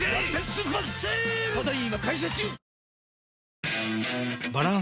すごい。鮑。